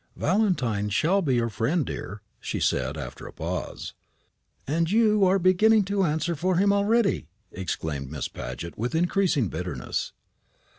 "Valentine shall be your friend, dear," she said, after a pause. "O, you are beginning to answer for him already!" exclaimed Miss Paget, with increasing bitterness.